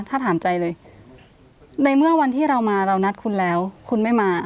ถ้าถามใจเลยในเมื่อวันที่เรามาเรานัดคุณแล้วคุณไม่มา